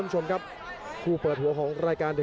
โหโหโหโหโหโหโหโหโหโหโหโหโหโห